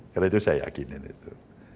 karena itu saya yakinin itu